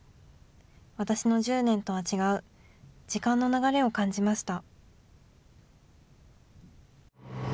私の１０年とは違う、時間の流れを感じました。